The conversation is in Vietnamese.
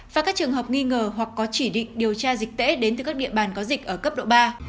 và các trường hợp nghi ngờ hoặc có chỉ định điều tra dịch tễ đến từ các địa bàn có dịch ở cấp độ ba